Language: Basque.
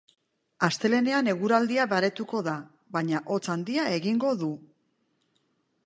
Astelehenean eguraldia baretuko da, baina hotz handia egingo du.